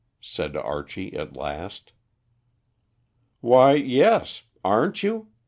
said Archie at last. "Why, yes; aren't you?"